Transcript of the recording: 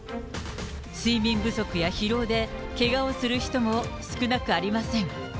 睡眠不足や疲労でけがをする人も少なくありません。